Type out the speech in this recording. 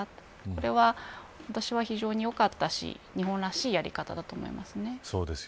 これは私は非常によかったし日本らしいやり方だと思います。